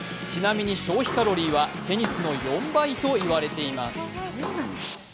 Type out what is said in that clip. ちなみに消費カロリーはテニスの４倍と言われています。